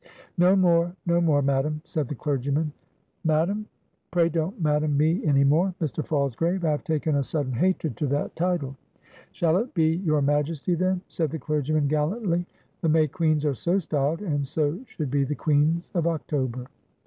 "No more, no more, Madam," said the clergyman. "Madam? pray don't Madam me any more, Mr. Falsgrave; I have taken a sudden hatred to that title." "Shall it be Your Majesty, then?" said the clergyman, gallantly; "the May Queens are so styled, and so should be the Queens of October."